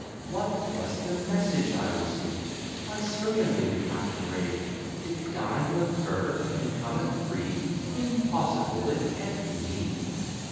What was the message I received? Why certainly the captain raved? To dine with her! and come at three! Impossible! it can't be me.